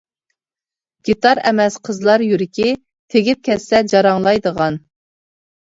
گىتار ئەمەس قىزلار يۈرىكى، تېگىپ كەتسە جاراڭلايدىغان.